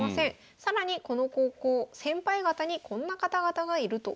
更にこの高校先輩方にこんな方々がいるということです。